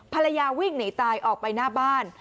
ภรรยาวิ่งหนีตายออกไปหน้าบ้าน